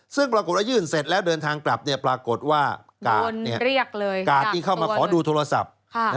ซึ่งปรากฏว่ายื่นเสร็จแล้วเดินทางกลับเนี่ยปรากฏว่ากาดกาดที่เข้ามาขอดูโทรศัพท์